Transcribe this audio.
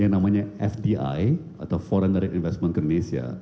yang namanya fdi atau foreign trade investment ke indonesia